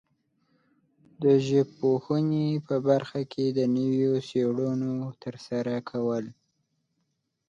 د ژبپوهنې په برخه کې د نویو څېړنو ترسره کول